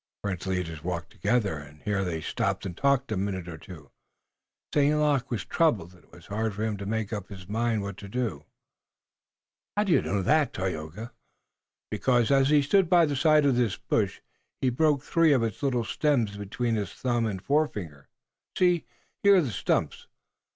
The French leaders walked together, and here they stopped and talked a minute or two. St. Luc was troubled, and it was hard for him to make up his mind what to do." "How do you know that, Tayoga?" "Because, as he stood by the side of this bush, he broke three of its little stems between his thumb and forefinger. See, here are the stumps.